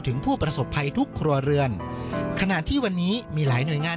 ผู้ประสบภัยทุกครัวเรือนขณะที่วันนี้มีหลายหน่วยงาน